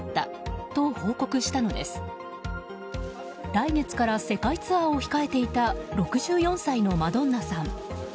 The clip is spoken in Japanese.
来月から世界ツアーを控えていた６４歳のマドンナさん。